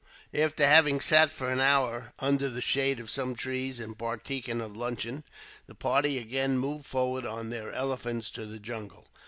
After having sat for an hour under the shade of some trees, and partaken of luncheon, the party again moved forward on their elephants to the jungle.